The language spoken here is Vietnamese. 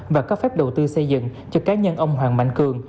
và cấp phép đầu tư xây dựng cho cá nhân ông hoàng mạnh cường